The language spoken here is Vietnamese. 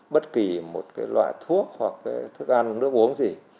bất kỳ một loại thuốc hoặc thức ăn nước uống gì